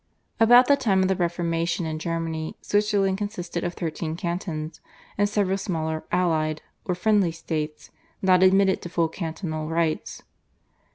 About the time of the Reformation in Germany Switzerland consisted of thirteen cantons and several smaller "allied" or "friendly" states not admitted to full cantonal rights.